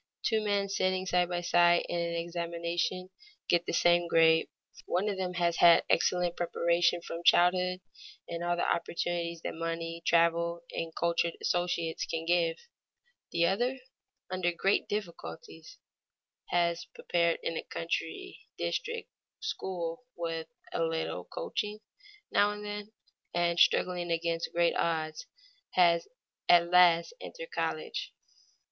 Two men sitting side by side in an examination, get the same grade; one of them has had excellent preparation from childhood, and all the opportunities that money, travel, and cultured associates can give; the other, under great difficulties, has prepared in a country district school with a little coaching now and then, and struggling against great odds, has at last entered college.